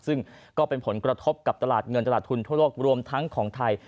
ซึ่งก็เป็นผลกระทบกับตลาดเงินตลาดทุนทั่วโลกรวมทั้งของไทย